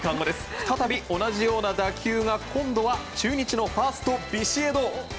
再び同じような打球が今度は中日のファーストビシエド。